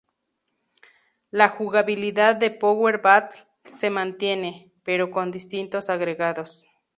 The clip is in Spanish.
La jugabilidad de "Power Battle" se mantiene, pero con distintos agregados.